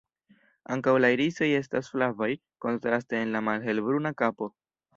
Ankaŭ la irisoj estas flavaj, kontraste en la malhelbruna kapo.